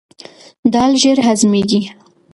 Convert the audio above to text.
دال ژر هضمیږي.